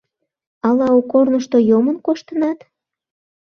Ала у корнышто йомын коштынат?